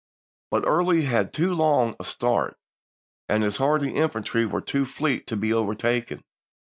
But Early had too long a start, and his hardy infantry were too fleet to be overtaken.